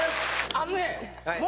あのね。